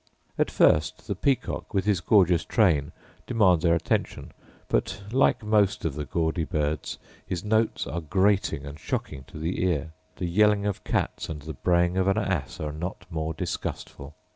At first the peacock, with his gorgeous train, demands our attention; but, like most of the gaudy birds, his notes are grating and shocking to the ear: the yelling of cats, and the braying of an ass, are not more disgustful.